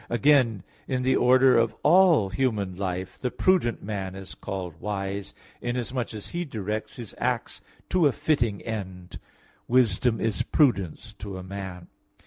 Again, in the order of all human life, the prudent man is called wise, inasmuch as he directs his acts to a fitting end: "Wisdom is prudence to a man" (Prov.